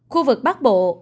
khu vực bắc bộ